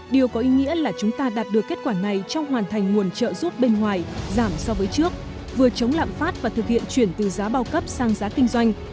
điều có ý nghĩa là chúng ta đạt được kết quả này trong hoàn thành nguồn trợ giúp bên ngoài giảm so với trước vừa chống lạm phát và thực hiện chuyển từ giá bao cấp sang giá kinh doanh